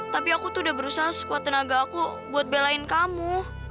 tapi aku tuh udah berusaha sekuat tenaga aku buat belain kamu